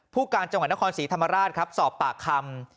ผู้การจังหวัดนครศรีธรรมราชครับสอบปากคำ